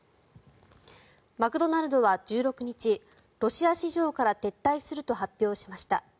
マクドナルドは１６日ロシア市場から撤退すると発表しました。